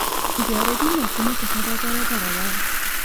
د عربي ملکونو په طبع برابره وه.